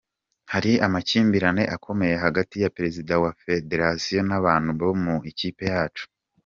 Hari amakimbirane akomeye hagati ya Perezida wa Federasiyo n’abantu bo mu ikipe yacu”.